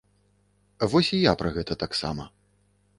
Вось і я пра гэта таксама!